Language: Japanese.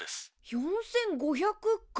４，５００垓？